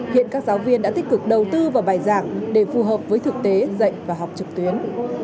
hiện các giáo viên đã tích cực đầu tư vào bài giảng để phù hợp với thực tế dạy và học trực tuyến